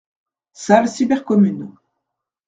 Salle cybercommune.